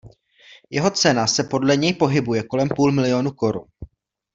Jeho cena se podle něj pohybuje kolem půl miliónu korun.